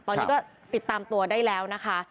ตอนนี้ก็ติดตามตัวได้แล้วนะคะ